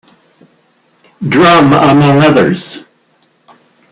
Drum among others.